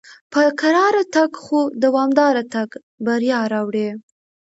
په کراره تګ خو دوامدار تګ بریا راوړي.